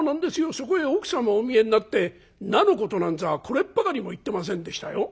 そこへ奥様お見えになって菜のことなんざこれっぱかりも言ってませんでしたよ。